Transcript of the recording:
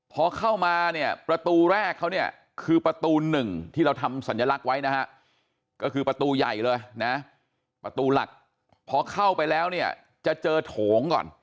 พอเข้ามาเนี่ยประตูแรกเขาเนี่ยคือประตูหนึ่งที่เราทำสัญลักษณ์ไว้นะฮะก็คือประตูใหญ่เลยนะประตูหลักพอเข้าไปแล้วเนี่ยจะเจอโถงก่อน